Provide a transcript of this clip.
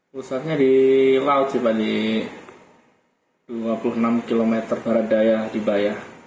pusatnya di laut sih pak di dua puluh enam km barat daya di bayah